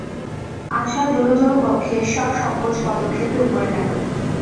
আশা দুরুদুরু বক্ষে সসংকোচ পদক্ষেপে উপরে গেল।